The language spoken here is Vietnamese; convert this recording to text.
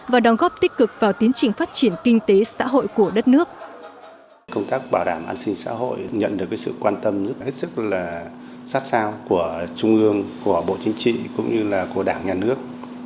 và đóng góp tích cực vào tiến trình phát triển kinh tế xã hội của đất nước